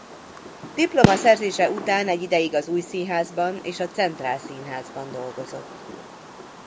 Diplomaszerzése után egy ideig az Új Színházban és a Centrál Színházban dolgozott.